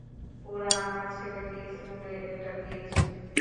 ওরা আমার ছেলেকে স্কুলে এটা দিয়েছে।